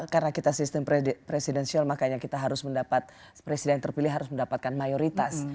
karena kita sistem presidensial makanya kita harus mendapat presiden terpilih harus mendapatkan mayoritas